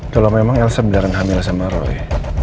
kalau memang elsa beneran hamil sama roy